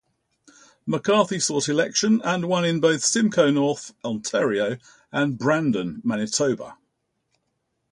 McCarthy sought election and won in both Simcoe North, Ontario, and Brandon, Manitoba.